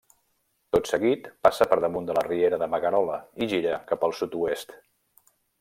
Tot seguit passa per damunt de la riera de Magarola, i gira cap al sud-oest.